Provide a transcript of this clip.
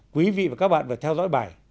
quý vị và các bạn vừa theo dõi bài